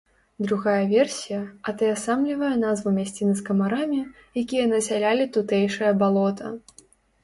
Другая версія атаясамлівае назву мясціны з камарамі, якія насялялі тутэйшае балота.